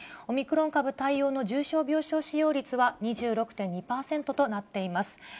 オミクロン株対応の重症病床使用率は、２６．２％となっています。